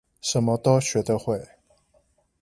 什麼都學得會